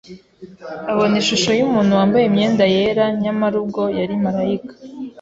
abona ishusho y’umuntu wambaye imyenda yera nyamara ubwo yari Marayika,